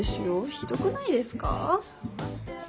ひどくないですか？